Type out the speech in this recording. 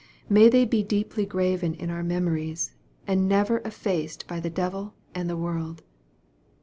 May they be deeply graven in our memories, and never effaced by the devil and the world